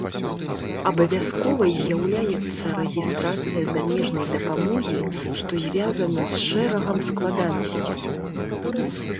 Абавязковай з'яўляецца рэгістрацыя замежнай дапамогі, што звязана з шэрагам складанасцяў.